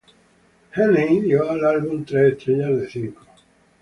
Heaney dio al álbum tres estrellas de cinco.